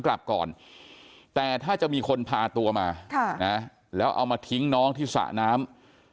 กลับก่อนแต่ถ้าจะมีคนพาตัวมาแล้วเอามาทิ้งน้องที่สระน้ำ